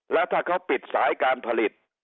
แล้วถ้าเขาปิดสายการผลิต